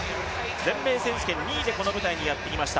全米選手権２位でこの舞台にやって来ました。